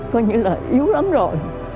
coi như là yếu lắm rồi